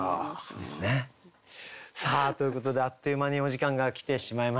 さあということであっという間にお時間が来てしまいました。